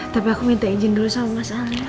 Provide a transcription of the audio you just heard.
tapi aku minta izin dulu sama mas al ya